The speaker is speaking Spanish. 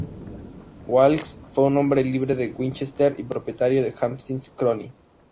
Wilkes fue un "Hombre libre" de Winchester y propietario de "Hampshire Chronicle".